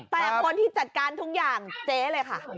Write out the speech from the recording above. แต่คนที่จัดการทุกอย่างเจ๊เลยค่ะ